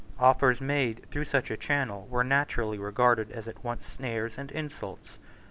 Offers made through such a channel were naturally regarded as at once snares and insults.